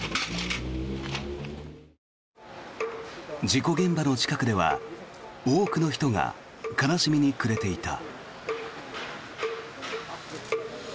事故現場の近くでは多くの人が悲しみに暮れていた。